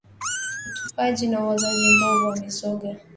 Utupaji au uzoaji mbovu wa mizoga